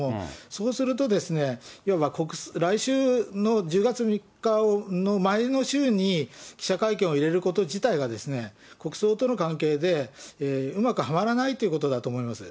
そうすると、いわば、来週の１０月３日の前の週に、記者会見を入れること自体が、国葬との関係でうまくはまらないということだと思います。